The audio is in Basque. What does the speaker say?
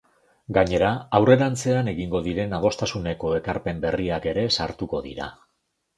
Gainera, aurrerantzean egingo diren adostasuneko ekarpen berriak ere sartuko dira.